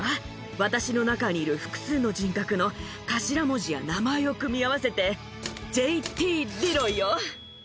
私の中にいる複数の人格の頭文字や名前を組み合わせて、ＪＴリロイよ。